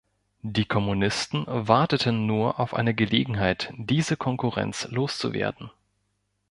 Die Kommunisten warteten nur auf eine Gelegenheit, diese Konkurrenz loszuwerden.